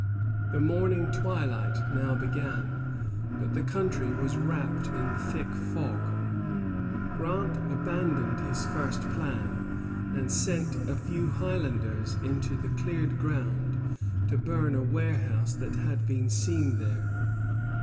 The morning twilight now began, but the country was wrapped in thick fog. Grant abandoned his first plan, and sent a few Highlanders into the cleared ground to burn a warehouse that had been seen there.